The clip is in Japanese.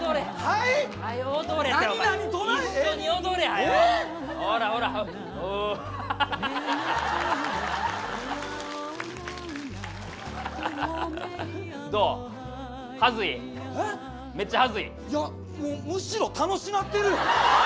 いやもうむしろ楽しなってるよ。